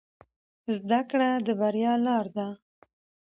زده کړه د بریا لاره ده